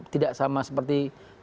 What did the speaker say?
tidak sama seperti